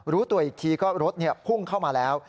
รู้ตัวอีกทีก็รถพุ่งเข้ามาแล้ว